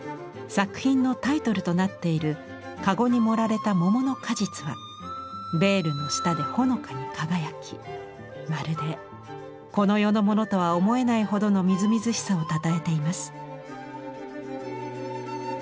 作品のタイトルとなっているかごに盛られた桃の果実はベールの下でほのかに輝きまるでこの世のものとは思えないほどのみずみずしさをたたえています。